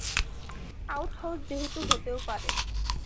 Outhouse যেহেতু হতেও পারে।